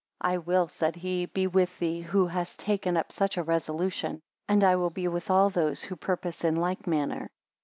I will, said he, be with thee who hast taken up such a resolution; and I will be with all those who purpose in like manner.